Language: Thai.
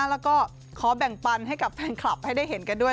แล้วก็ขอแบ่งปันให้กับแฟนคลับให้ได้เห็นกันด้วย